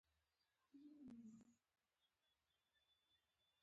دی شا ته يې وکتل.